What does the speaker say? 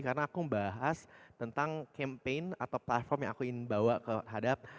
karena aku membahas tentang campaign atau platform yang aku ingin bawa kehadap